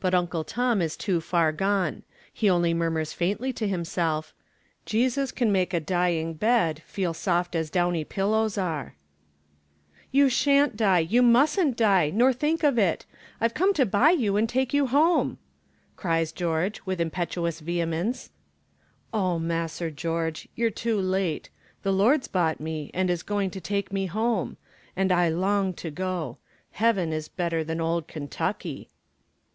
But Uncle Tom is too far gone. He only murmurs faintly to himself: Jesus can make a dying bed Feel soft as downy pillows are. 'You shan't die; you mustn't die, nor think of it! I've come to buy you and take you home!' cries George, with impetuous vehemence. 'Oh, Mas'r George, ye're too late. The Lord's bought me and is going to take me home and I long to go. Heaven is better than old Kentucky!'